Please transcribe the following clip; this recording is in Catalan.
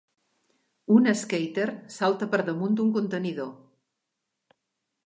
Un skater salta per damunt d'un contenidor